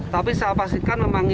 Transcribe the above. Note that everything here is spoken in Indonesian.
tapi saya pastikan memperbaiki